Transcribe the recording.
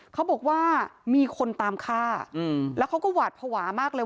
เขาบอกว่ามีคนตามฆ่าแล้วเขาก็หวาดภาวะมากเลย